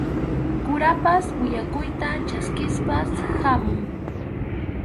Kurapas willakuyta chaskispas hamun.